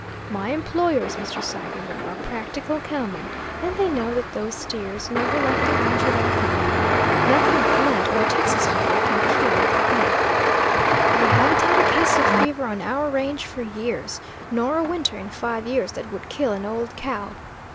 My employers, Mr. Seigerman, are practical cowmen, and they know that those steers never left the range without help. Nothing but lead or Texas fever can kill a beef. We haven't had a case of fever on our range for years, nor a winter in five years that would kill an old cow.